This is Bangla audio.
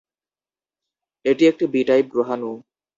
এটি একটি বি-টাইপ গ্রহাণু।